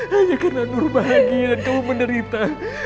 hanya karena nur bahagia dan kamu menderita